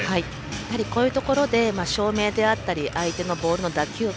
こういうところで照明であったり相手のボールの打球感